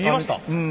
うん。